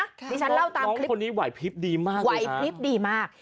นี่ฉันเล่าตามคลิปว่ายพลิปดีมาก